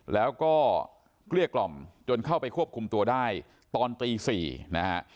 แล้วก็เกลี้ยกล่อมจนเข้าไปควบคุมตัวได้ตอนตี๔นะฮะ